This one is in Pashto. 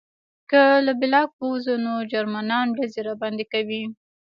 که له بلاک ووځو نو جرمنان ډزې راباندې کوي